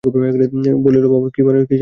বলিল, বাবা, কী ছেলেমানুষের পাল্লাতেই পড়েছি!